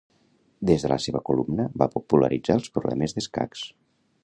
Des de la seva columna, va popularitzar els problemes d'escacs.